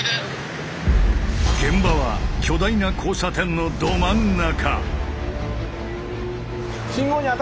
現場は巨大な交差点のど真ん中！